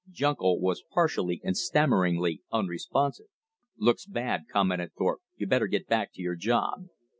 Junko was partially and stammeringly unresponsive. "Looks bad," commented Thorpe. "You'd better get back to your job."